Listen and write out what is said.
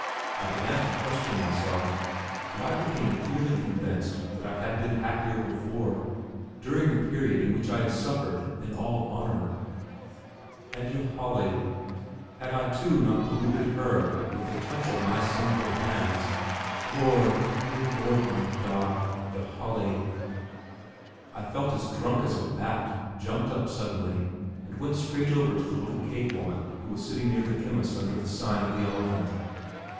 I began to question myself, and I became clearly convinced that I had been happier before, during the period in which I had suffered in all honour. And Ylajali? Had I, too, not polluted her with the touch of my sinful hands? Lord, O Lord my God, Ylajali! I felt as drunk as a bat, jumped up suddenly, and went straight over to the cake woman who was sitting near the chemist's under the sign of the elephant.